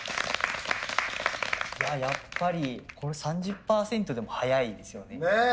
やっぱり３０％でも速いですよね。